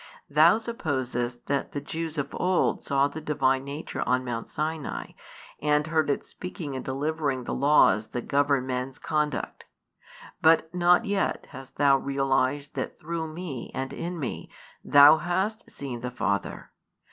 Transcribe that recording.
Thou supposest that the Jews of old saw the Divine Nature on Mount Sinai, and heard it speaking in delivering the laws that govern men's conduct; but not yet hast thou realised that through Me and in Me thou hast seen the Father.